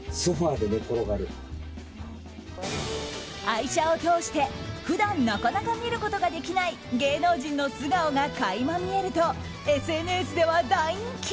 愛車を通して普段なかなか見ることができない芸能人の素顔が垣間見えるとＳＮＳでは大人気。